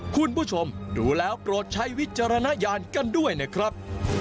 คุณผู้ชมดูแล้วโปรดใช้วิจารณญาณกันด้วยนะครับ